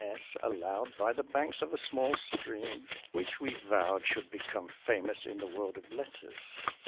S. aloud by the banks of a small stream which we vowed should become famous in the world of letters.